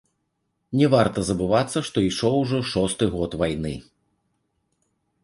Не варта забывацца, што ішоў ужо шосты год вайны.